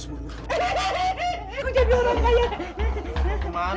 aku mau ke mana cuman